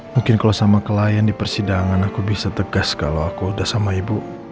mungkin kalau sama klien di persidangan aku bisa tegas kalau aku udah sama ibu